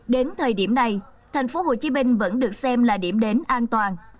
đến thời điểm này thành phố hồ chí minh vẫn được xem là điểm đến an toàn